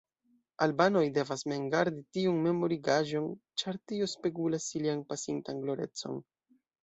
Albanoj devas mem gardi tiun memorigaĵon, ĉar tio spegulas ilian pasintan glorecon.